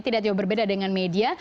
tidak jauh berbeda dengan media